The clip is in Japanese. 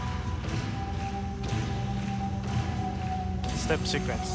ステップシークエンス。